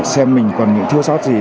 xem mình còn những thiếu sót gì